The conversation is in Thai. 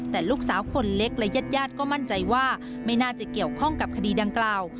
แต่ลูกสาวคนเล็กและญาติญาติก็มั่นใจว่าไม่น่าจะเกี่ยวข้องกับคดีดังกล่าว